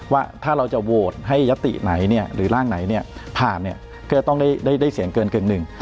ว่าถ้าเราจะโหวตให้ยัตติไหนหรือร่างไหนเนี่ยผ่านเนี่ยก็จะต้องได้เสียงเกินกึ่งหนึ่ง